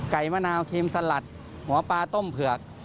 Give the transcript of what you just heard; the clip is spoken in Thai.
มะนาวครีมสลัดหัวปลาต้มเผือก